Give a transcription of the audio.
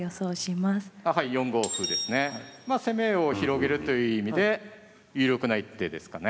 まあ攻めを広げるという意味で有力な一手ですかね。